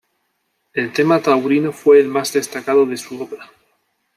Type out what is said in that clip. El tema taurino fue el más destacado de su obra.